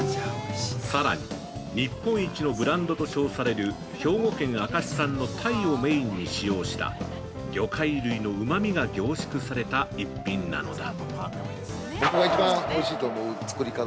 さらに、日本一のブランドと称される兵庫県明石産の鯛をメインに使用した魚介類のうまみが凝縮された逸品なのだ。